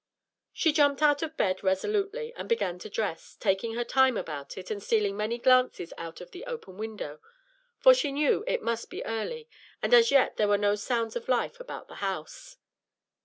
She jumped out of bed resolutely and began to dress, taking her time about it, and stealing many glances out of the open window; for she knew it must be early, and as yet there were no sounds of life about the house.